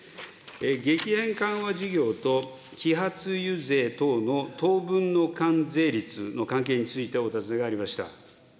激変緩和事業と揮発油税等の当分の関税率の関係についてお尋ねがありました。